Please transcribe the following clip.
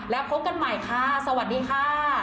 แล้วพบกันใหม่ค่ะสวัสดีค่ะ